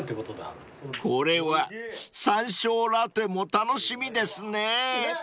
［これはさんしょうラテも楽しみですね］